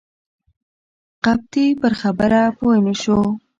قبطي پر خبره پوی نه شو.